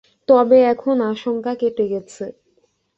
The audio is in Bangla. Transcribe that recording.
তবে এখন আশঙ্কা কেটে গেছে।